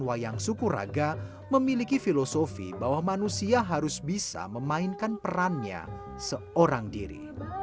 wayang sukuraga memiliki filosofi bahwa manusia harus bisa memainkan perannya seorang diri